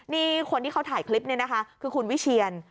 นี่คนที่เขาถ่ายคลิปนี้นะคะคือคุณวิเชียน